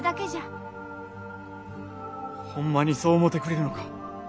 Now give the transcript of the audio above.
ほんまにそう思うてくれるのか？